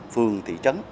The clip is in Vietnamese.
phường thị trấn